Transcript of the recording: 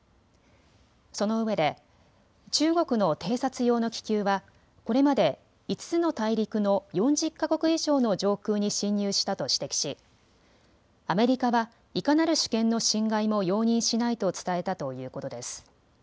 そのうえで中国の偵察用の気球はこれまで５つの大陸の４０か国以上の上空に侵入したと指摘しアメリカはいかなる主権の侵害も容認しないと伝えたということです。